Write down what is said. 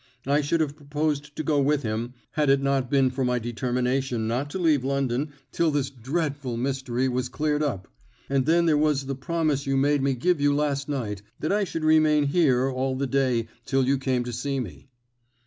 I should have proposed to go with him had it not been for my determination not to leave London till this dreadful mystery was cleared up; and then there was the promise you made me give you last night, that I should remain here all the day till you came to see me."